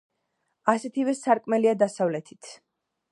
ასეთივე სარკმელია დასავლეთით.